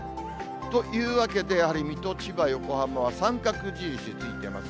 というわけで、やはり水戸、千葉、横浜は三角印ついてます。